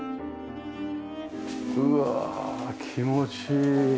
うわあ気持ちいい。